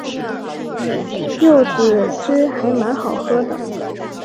柚子汁还蛮好喝的